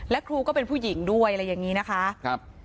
และครูก็เป็นผู้หญิงด้วยอะไรอย่างนี้นะคะ